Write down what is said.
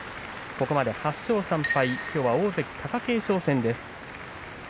ここまで８勝３敗きょうは大関貴景勝戦です。